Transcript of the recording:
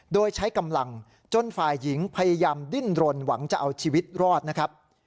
โดยใช้กำลังจนฝ่ายหญิงพยายามดิ้นรนหวังจะเอาชีวิตรอดนะครับ